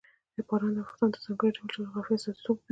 باران د افغانستان د ځانګړي ډول جغرافیه استازیتوب کوي.